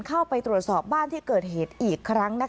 เข้าไปตรวจสอบบ้านที่เกิดเหตุอีกครั้ง